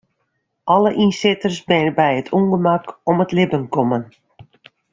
Alle ynsitters binne by it ûngemak om it libben kommen.